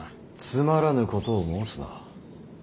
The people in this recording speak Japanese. つまらぬことを申すな。